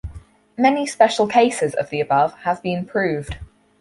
Many special cases of the above have been proved.